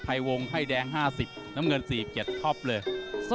ถามพี่เบนเกศทรงฤทธิ์มาบอกว่า